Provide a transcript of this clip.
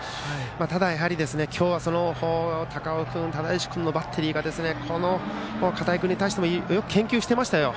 ただ今日は高尾君、只石君のバッテリーが、片井君に対してもよく研究していましたよ。